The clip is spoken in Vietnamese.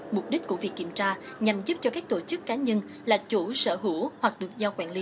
mục đích của việc kiểm tra nhằm giúp cho các tổ chức cá nhân là chủ sở hữu hoặc được giao quản lý